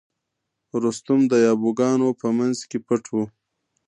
رستم د یابو ګانو په منځ کې پټ و.